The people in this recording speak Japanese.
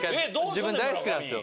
自分大好きなんですよ。